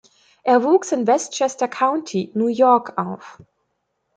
Er wuchs in Westchester County, New York auf.